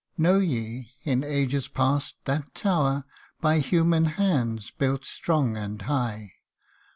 KNOW ye in ages past that tower By human hands built strong and high